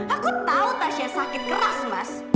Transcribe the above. aku tau tasha sakit keras mas